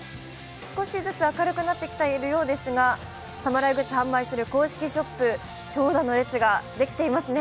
少しずつ明るくなってきているようですが侍グッズを販売する公式ショップ、長蛇の列ができていますね。